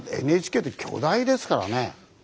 ＮＨＫって巨大ですからね。